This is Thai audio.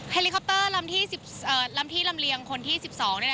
แฮลิคอปเตอร์ลำที่ลำเลี้ยงคนที่๑๒ได้นะ